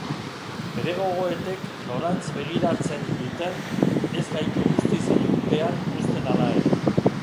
Bere gogoetek norantz begiratzen duten, ez gaitu guztiz ilunpean uzten hala ere.